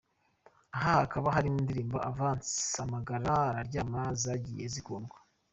Aha hakaba aharimo indirimbo Avance, Amagaraga araryana zagiye zikundwa.